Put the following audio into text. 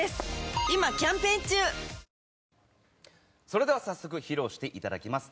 それでは早速披露していただきます。